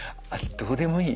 どうでもいい。